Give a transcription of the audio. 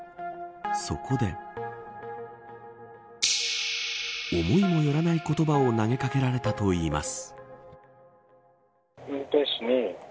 そこで思いもよらない言葉を投げかけられたといいます。